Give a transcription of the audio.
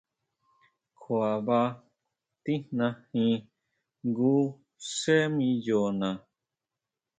Kjua ba tijnajin jngu xé miyona.